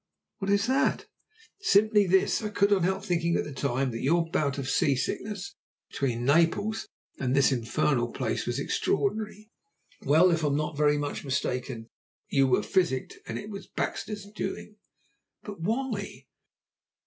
"What is that?" "Simply this. I could not help thinking at the time that your bout of sea sickness between Naples and this infernal place was extraordinary. Well, if I'm not very much mistaken, you were physicked, and it was Baxter's doing." "But why?"